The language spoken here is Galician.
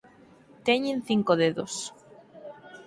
Teñen cinco dedos".